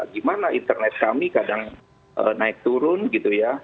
gimana internet kami kadang naik turun gitu ya